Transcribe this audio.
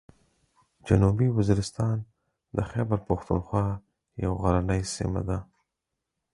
جنوبي وزیرستان د خیبر پښتونخوا یوه غرنۍ سیمه ده.